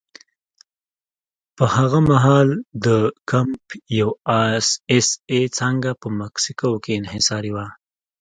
په هغه مهال د کمپ یو اس اې څانګه په مکسیکو کې انحصاري وه.